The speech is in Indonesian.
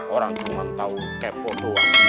orang cuma tau kepo doang